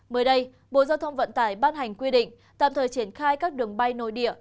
mới đây bộ giao thông vận tải ban hành quy định tạm thời triển khai các đường bay nội địa